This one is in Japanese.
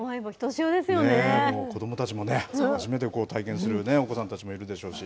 もう子どもたちもね、初めて体験するお子さんたちもいるでしょうし。